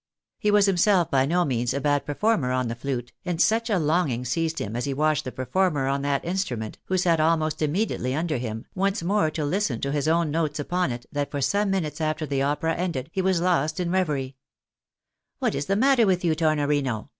He was himself THE J01 RAriiF, rv:W» M'H''TS qualifikd. 231 by no means a bad performer on the flute, and svxch a longing seized him as he watched the performer on that instrument, who sat almost immediately under him, onoe more to listen to his own notes upon it, that for some minutes after the opera ended, he was lost in revery. " What is the matter with you, Tornorino